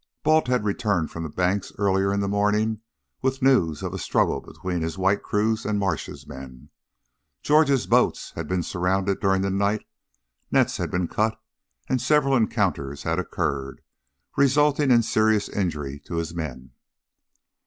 Balt had returned from the banks earlier in the morning with news of a struggle between his white crew and Marsh's men. George's boats had been surrounded during the night, nets had been cut, and several encounters had occurred, resulting in serious injury to his men.